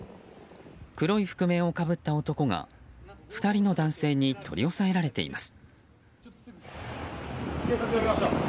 黒い覆面をかぶった男が２人の男性に取り押さえられています。